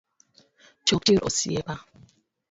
Chok chir osiepa.